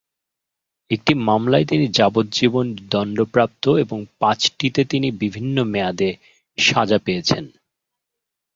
একটি মামলায় তিনি যাবজ্জীবন দণ্ডপ্রাপ্ত এবং পাঁচটিতে বিভিন্ন মেয়াদে সাজা পেয়েছেন।